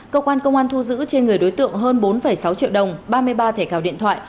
cơ quan công an thu giữ trên người đối tượng hơn bốn sáu triệu đồng ba mươi ba thẻ cào điện thoại